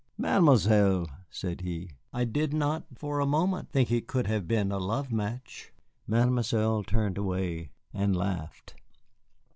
"Mademoiselle," said he, "I did not for a moment think it could have been a love match." Mademoiselle turned away and laughed.